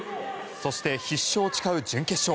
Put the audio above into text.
そして、必勝を誓う準決勝。